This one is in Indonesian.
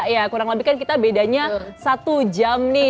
ya kurang lebih kan kita bedanya satu jam nih